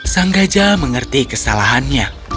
sang gajah mengerti kesalahannya